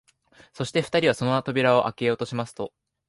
そして二人はその扉をあけようとしますと、